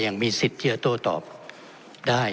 ท่านประธานที่ขอรับครับ